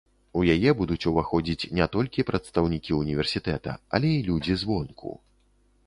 У яе будуць уваходзіць не толькі прадстаўнікі універсітэта, але і людзі звонку.